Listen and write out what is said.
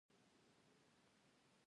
لیکوال: پوهاند عبدالحی حبیبي